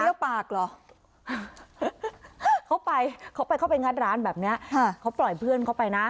ปากเหรอเขาไปเขาไปเข้าไปงัดร้านแบบนี้เขาปล่อยเพื่อนเขาไปนะ